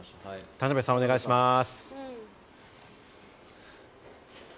田辺さん、お願いします。